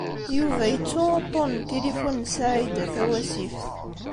Yuba yettu uṭṭun n tilifun n Saɛida Tawasift.